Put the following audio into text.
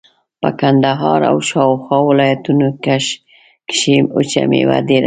په کندهار او شاوخوا ولایتونو کښې وچه مېوه ډېره ده.